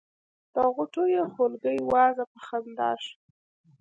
د غوټیو خولګۍ وازه په خندا شوه.